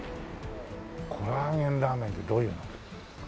コラーゲンラーメンってどういうの？